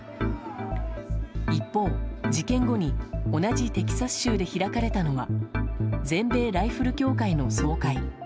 一方、事件後に同じテキサス州で開かれたのは全米ライフル協会の総会。